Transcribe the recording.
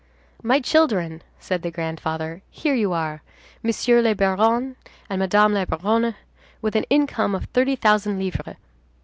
"My children," said the grandfather, "here you are, Monsieur le Baron and Madame la Baronne, with an income of thirty thousand livres."